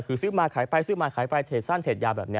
คือซื้อมาขายไปซื้อมาขายไปสร้างเสร็จยาแบบเนี่ย